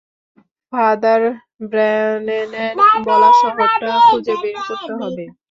Father ব্র্যানেনের বলা শহরটা খুঁজে বের করতে হবে।